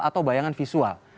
atau bayangan visual